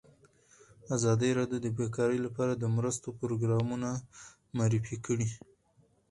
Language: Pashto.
ازادي راډیو د بیکاري لپاره د مرستو پروګرامونه معرفي کړي.